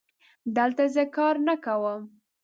دلته زه کار نه کوم